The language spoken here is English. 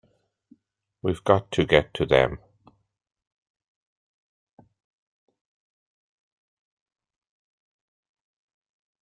We've got to get to them!